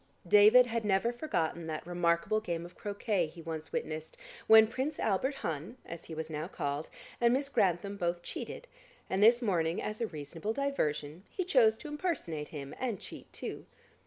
David had never forgotten that remarkable game of croquet he once witnessed when Prince Albert Hun, as he was now called, and Miss Grantham both cheated, and this morning as a reasonable diversion, he chose to impersonate him and cheat too.